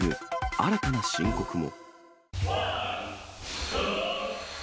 新たな申告も。